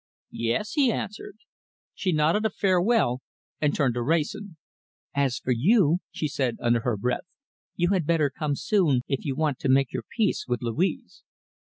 "Yes!" he answered. She nodded a farewell and turned to Wrayson. "As for you," she said under her breath, "you had better come soon if you want to make your peace with Louise."